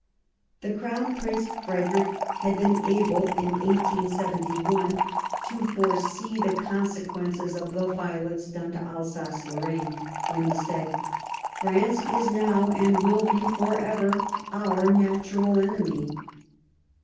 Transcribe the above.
The Crown Prince Frederick had been able in 1871 to foresee the con sequences of the violence done to Alsace Lorraine, when he said, " France is now, and will be for ever, our natural enemy."